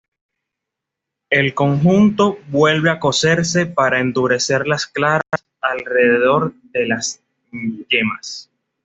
El conjunto vuelve a cocerse para endurecer las claras alrededor de las yemas.